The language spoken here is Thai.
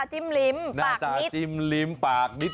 หน้าตาจิ้มลิ้มปากนิด